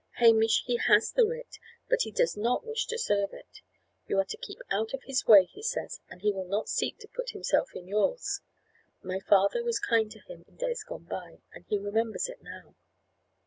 Hamish, he has the writ, but he does not wish to serve it. You are to keep out of his way, he says, and he will not seek to put himself in yours. My father was kind to him in days gone by, and he remembers it now."